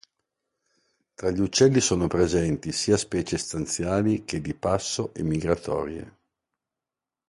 Tra gli uccelli, sono presenti sia specie stanziali che di passo e migratorie.